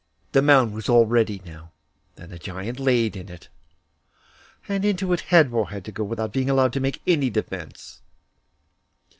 The mound was all ready now, and the Giant laid in it, and into it Hadvor also had to go without being allowed to make any defence.